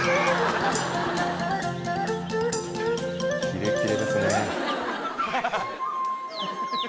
キレキレですね。